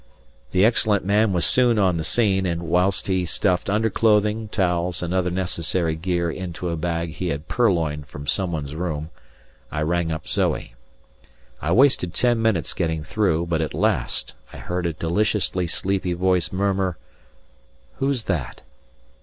The excellent man was soon on the scene, and whilst he stuffed underclothing, towels and other necessary gear into a bag he had purloined from someone's room, I rang up Zoe. I wasted ten minutes getting through, but at last I heard a deliciously sleepy voice murmur, "Who's that?"